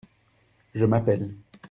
Je m’appelle…